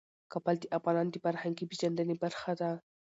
کابل د افغانانو د فرهنګي پیژندنې برخه ده.